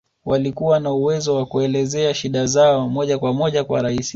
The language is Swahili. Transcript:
Walikuwa na uwezo wa kelezea shida zao moja kwa moja kwa Rais